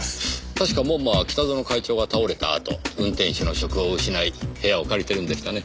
たしか門馬は北薗会長が倒れたあと運転手の職を失い部屋を借りてるんでしたね。